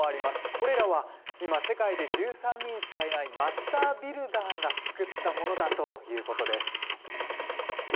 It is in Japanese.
これらは今世界で１３人しかいないマスタービルダーが作ったものだということです。